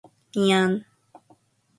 미안.